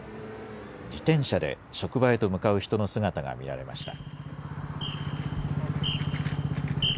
自転車で職場へと向かう人の姿が見られました。